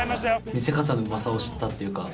見せ方のうまさを知ったっていうか。